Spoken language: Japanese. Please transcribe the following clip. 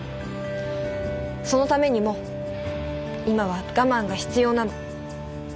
そのためにも今は我慢が必要なの。